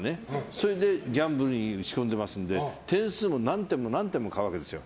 それで、ギャンブルに打ち込んでいますので点数を何点も買うわけですよ。